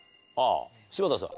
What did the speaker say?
柴田さん。